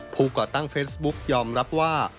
ก่อตั้งเฟซบุ๊กยอมรับว่า